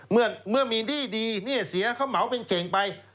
เมื่อมีหนี้ดีหนี้เสียเขาเหมาเป็นเก่งไป